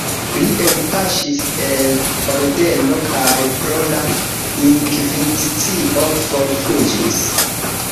Li elpaŝis el ordeno kaj pro la inkvizicio forfuĝis.